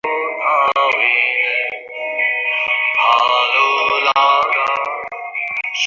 আমার কোন কথায় কষ্ট পেলে নাকি?